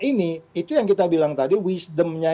ini itu yang kita bilang tadi wisdomnya